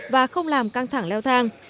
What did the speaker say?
và không làm căng thẳng leo thang